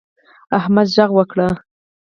احمد غږ وکړ.